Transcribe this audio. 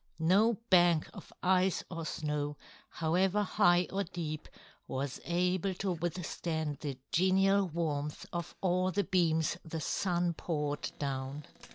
No bank of ice or snow, however high or deep, was able to withstand the genial warmth of all the beams the Sun poured down.